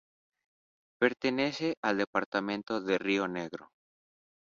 Pertenece al departamento de Río Negro.